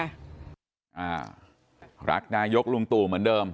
อ่ารักนายกลุงตู่เหมือนเดิม